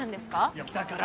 いやだから。